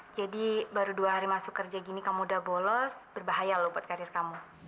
jadi baru dua hari masuk kerja gini kamu sudah bolos berbahaya loh buat karir kamu